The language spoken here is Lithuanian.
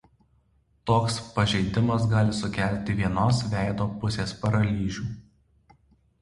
Toks pažeidimas gali sukelti vienos veido pusės paralyžių.